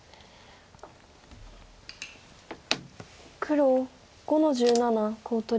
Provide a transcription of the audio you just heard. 黒５の十七コウ取り。